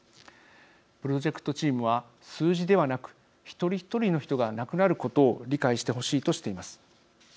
プロジェクトチームは数字ではなく一人一人の人が亡くなることを理解してほしいとしています。